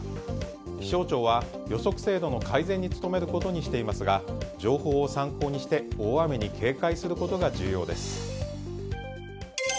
気象庁は予測精度の改善に努めることにしていますが情報を参考にして大雨に警戒することが重要です。